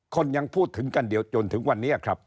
คนยังพูดถึงกันเดียวจนถึงวันนี้ครับ